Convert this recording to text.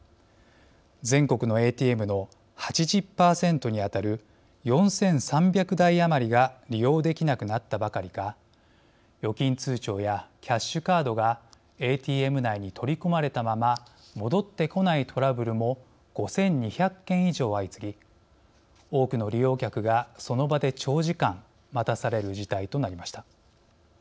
全国のＡＴＭの８０％に当たる４３００台余りが利用できなくなったばかりか預金通帳やキャッシュカードがＡＴＭ内に取り込まれたまま戻ってこないトラブルも５２００件以上、相次ぎ多くの利用客がその場で長時間待たされる事態となりました。